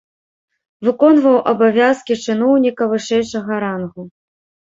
Выконваў абавязкі чыноўніка вышэйшага рангу.